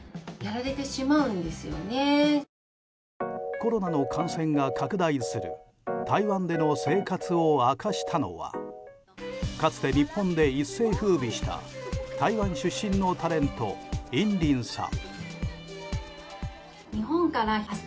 コロナの感染が拡大する台湾での生活を明かしたのはかつて日本で一世風靡した台湾出身のタレントインリンさん。